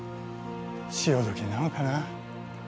潮時なのかな